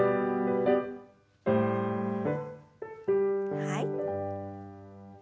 はい。